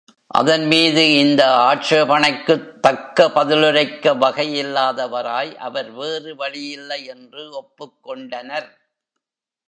அதன்மீது இந்த ஆட்சேபணைக்குத் தக்க பதிலுரைக்க வகையில்லாதவராய், அவர் வேறு வழியில்லை என்று ஒப்புக்கொண்டனர்.